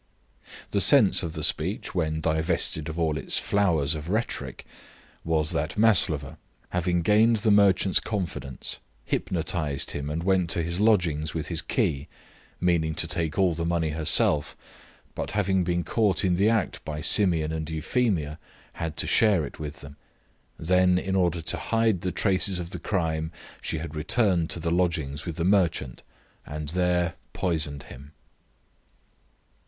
The sense of the speech, when divested of all its flowers of rhetoric, was that Maslova, having gained the merchant's confidence, hypnotised him and went to his lodgings with his key meaning to take all the money herself, but having been caught in the act by Simeon and Euphemia had to share it with them. Then, in order to hide the traces of the crime, she had returned to the lodgings with the merchant and there poisoned him.